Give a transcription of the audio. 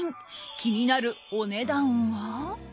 気になるお値段は。